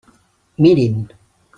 Mirin!